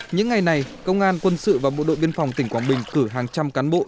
những ngày này công an quân sự và bộ đội biên phòng tỉnh quảng bình cử hàng trăm cán bộ